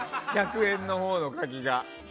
１００円のほうの柿が。